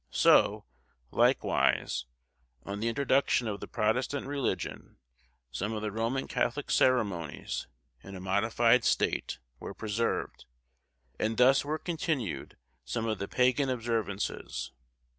So, likewise, on the introduction of the Protestant religion, some of the Roman Catholic ceremonies, in a modified state, were preserved; and thus were continued some of the pagan observances.